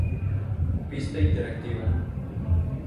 Pista interactiva